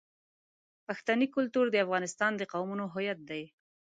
پښتني کلتور د افغانستان د قومونو هویت دی.